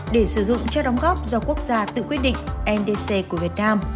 để sử dụng cho đóng góp do quốc gia tự quyết định ndc của việt nam